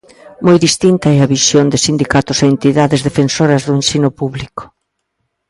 Moi distinta é a visión de sindicatos e entidades defensoras do ensino público.